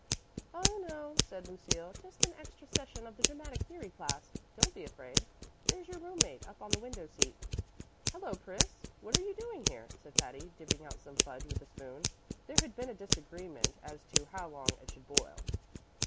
"Oh, no," said Lucille; "just an extra session of the Dramatic Theory class. Don't be afraid; there's your room mate up on the window seat." "Hello, Pris. What are you doing here?" said Patty, dipping out some fudge with a spoon. (There had been a disagreement as to how long it should boil.)